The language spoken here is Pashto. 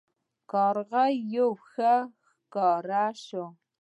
کارغه یو ښه ښکاري شو.